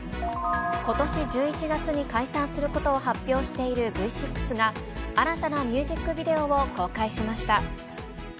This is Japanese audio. ことし１１月に解散することを発表しているＶ６が、新たなミュージックビデオを公開しました。